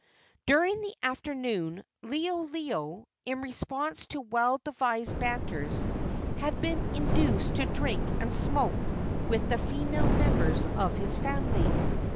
During the afternoon Liholiho, in response to well devised banters, had been induced to drink and smoke with the female members of his family.